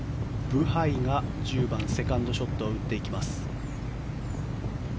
ブハイが１０番セカンドショットを打っていきます。